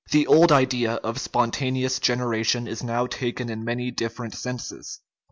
The old idea of spontaneous generation is now taken in many different senses.